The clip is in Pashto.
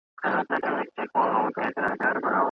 که په ښوونځي کي ډسپلین وي نو ماشومان په قانون پوهيږي.